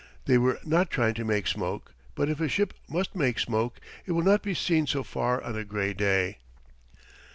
They were not trying to make smoke, but if a ship must make smoke, it will not be seen so far on a gray day.